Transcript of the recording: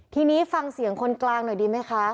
ทีนี้ฟังเสียงคนกลางหน่อยดีไหมคะ